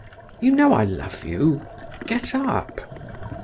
… You know I love you…. Get up."